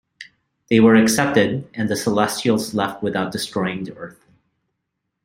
They were accepted, and the Celestials left without destroying the Earth.